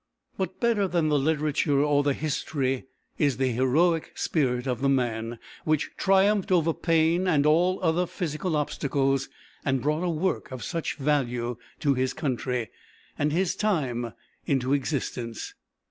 But better than the literature or the history is the heroic spirit of the man, which triumphed over pain and all other physical obstacles, and brought a work of such value to his country and his time into existence.